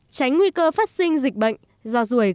tránh nguy cơ phát sinh dịch bệnh do rùi gây nên